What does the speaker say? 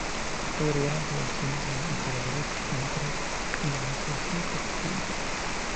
Se agregaron traducciones de instaladores húngaros e indonesios y paquetes de idiomas.